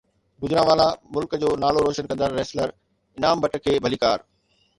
گوجرانوالا ملڪ جو نالو روشن ڪندڙ ریسلر انعام بٽ کي ڀليڪار